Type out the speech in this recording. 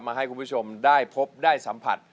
ให้คุณผู้ชมได้พบได้สัมผัส